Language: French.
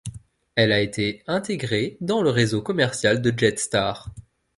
Elle a été intégrée dans le réseau commercial de Jetstar.